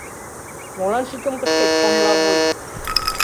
Молан шӱкым кышкет, помылавуй?